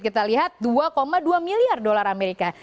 kita lihat dua dua miliar dolar amerika